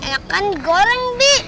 kayak kan goreng bi